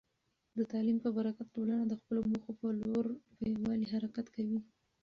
د تعلیم په برکت، ټولنه د خپلو موخو په لور په یووالي حرکت کوي.